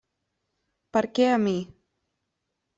Per què a mi?